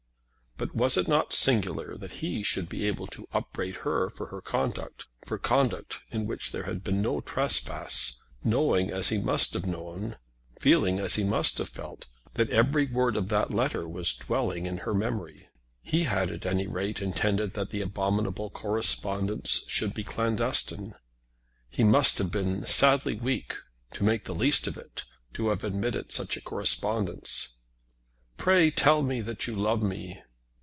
But was it not singular that he should be able to upbraid her for her conduct, for conduct in which there had been no trespass, knowing as he must have known, feeling as he must have felt, that every word of that letter was dwelling in her memory! He had, at any rate, intended that the abominable correspondence should be clandestine. He must have been sadly weak, to make the least of it, to have admitted such a correspondence. "Pray tell me that you love me!"